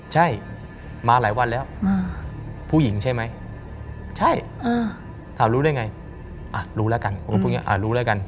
ใช่มาหลายวันแล้วผู้หญิงใช่ไหมใช่ถามรู้ได้ไงอ่ะรู้แล้วกันผมก็พูดอย่างนี้รู้แล้วกัน